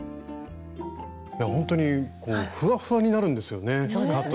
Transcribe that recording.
ほんとにふわふわになるんですよね